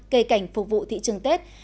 cây cảnh phục vụ thị trường tết